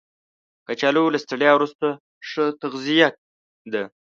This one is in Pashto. کچالو له ستړیا وروسته ښه تغذیه ده